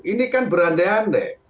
ini kan berande ande